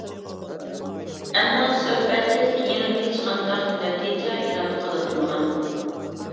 ئەمما سۆھبەتتىن كېيىن ھېچقانداق نەتىجە ئېلان قىلىنمىغان.